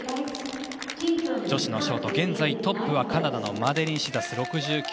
女子のショート、現在トップはカナダのマデリン・シーザス